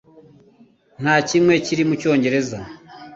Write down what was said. na kimwe kiri mu Cyongereza.